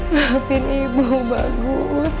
maafin ibu bagus